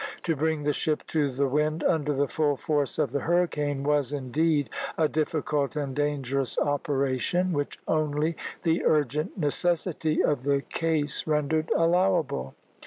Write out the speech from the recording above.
To bring the ship to the wind under the full force of the hurricane was, indeed, a difficult and dangerous operation, which only the urgent necessity of the case rendered allowable.